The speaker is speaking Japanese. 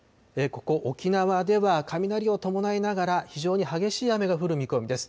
ここ、沖縄では雷を伴いながら、非常に激しい雨が降る見込みです。